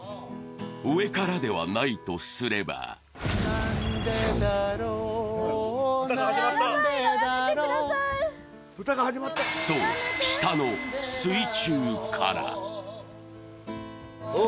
上からではないとすればそう、下の水中から。